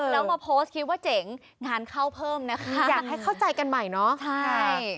แล้วมาโพสต์คิดว่าเจ๋งงานเข้าเพิ่มนะคะอยากให้เข้าใจกันใหม่เนาะใช่